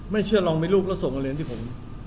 ไม่เชื่อลองมีลูกแล้วส่งมาเรียนที่ผม